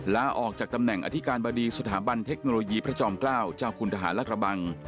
ลาออกจากตำแหน่งอธิการบดีสถาบันเทคโนโลยีพระจอมเกล้าเจ้าคุณทหารและกระบัง